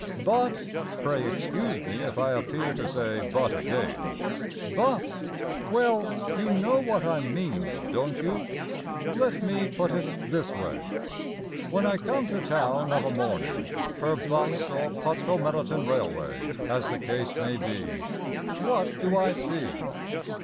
But (Pray excuse me if I appear to say "but" again) But Well, you know what I mean, don't you? Let me put it this way. When I come to town of a morning, Per 'bus or Potromelitan Railway, As the case may be, What do I see?